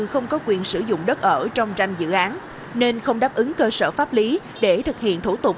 không có quyền sử dụng đất ở trong tranh dự án nên không đáp ứng cơ sở pháp lý để thực hiện thủ tục